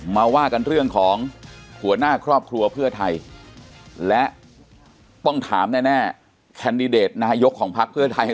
มาว่ากันเรื่องของหัวหน้าครอบครัวเพื่อไทยและต้องถามแน่แคนดิเดตนายกของพักเพื่อไทย